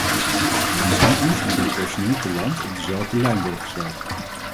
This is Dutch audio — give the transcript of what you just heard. Mijns inziens moet het personeel te land op dezelfde lijn worden gesteld.